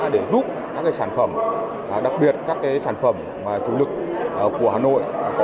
để giúp các sản phẩm đặc biệt các sản phẩm chủ lực của hà nội